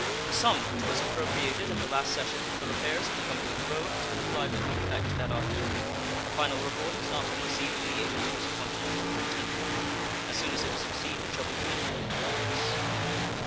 The sum which was appropriated at the last session for the repairs of the Cumberland road has been applied with good effect to that object. A final report has not been received from the agent who was appointed to superintend it. As soon as it is received it shall be communicated to Congress.